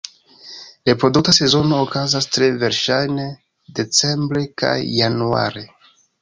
Reprodukta sezono okazas tre verŝajne decembre kaj januare.